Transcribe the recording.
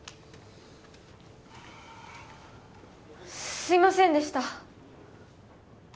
すいませんでした